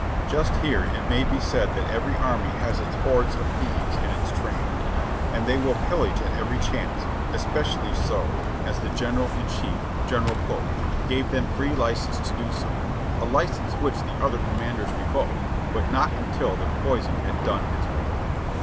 Just here it may be said that every army has its hordes of thieves in its train, and they will pillage at every chance, especially so, as the general in chief, General Pope, gave them free license to do so; a license which the other commanders revoked, but not until the poison had done its work.